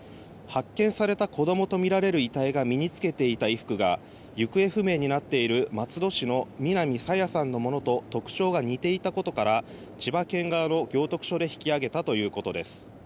発見された子供とみられる遺体が身に着けていた衣服が行方不明になっている松戸市の南朝芽さんのものと特徴が似ていたことから千葉県側の行徳署で引き揚げたということです。